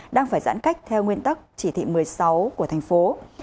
đang phải giãn cách theo nguyên tắc chỉ thị một mươi sáu của thành phố